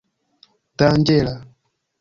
danĝera